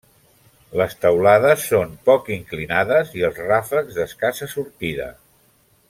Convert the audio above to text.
Les teulades són poc inclinades i els ràfecs d'escassa sortida.